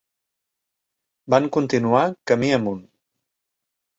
Van continuar camí amunt.